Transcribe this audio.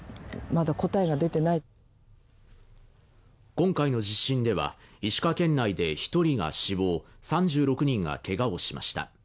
今回の地震では、石川県内で１人が死亡、３６人がけがをしました。